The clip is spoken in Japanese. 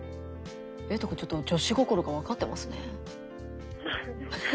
えいとくんちょっと女子心が分かってますね。